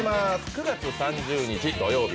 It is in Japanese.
９月３０日土曜日